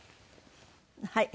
はい。